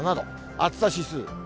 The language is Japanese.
暑さ指数。